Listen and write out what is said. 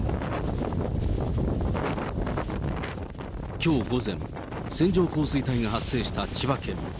きょう午前、線状降水帯が発生した千葉県。